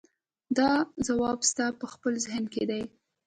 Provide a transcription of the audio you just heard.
دا ځواب ستاسې په خپل ذهن کې دی.